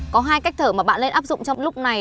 có hai cách thở mà bạn lên áp dụng trong lúc này